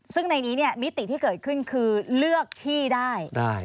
ซึ่งในนี้เนี่ยมิติที่เกิดขึ้นคือเลือกที่ได้